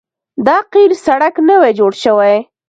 دا قیر سړک نوی جوړ شوی